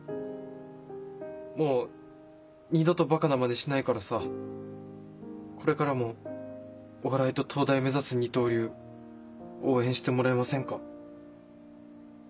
もう二度とばかなまねしないからさこれからもお笑いと東大目指す二刀流応援してもらえませんか。